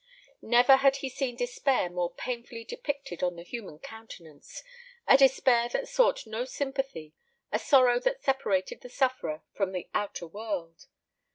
Never had he seen despair more painfully depicted on the human countenance a despair that sought no sympathy, a sorrow that separated the sufferer from the outer world.